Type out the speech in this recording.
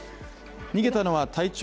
逃げたのは体長